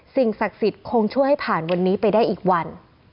สิ่งศักดิ์สิทธิ์คงช่วยให้ผ่านวันนี้ไปได้อีกวัน